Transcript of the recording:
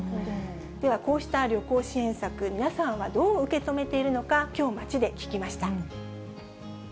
では、こうした旅行支援策、皆さんはどう受け止めているのか、きょう、街で聞きました。